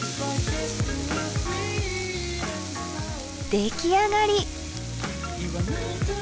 出来上がり。